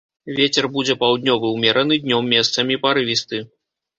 Вецер будзе паўднёвы ўмераны, днём месцамі парывісты.